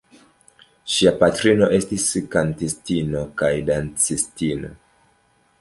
Ŝia patrino estis kantistino kaj dancistino.